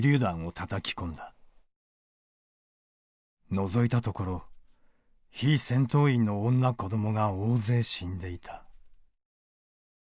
のぞいたところ非戦闘員の女、子どもが大勢死んでいた。